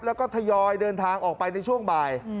แล้วก็ทยอยเดินทางออกไปในช่วงบ่าย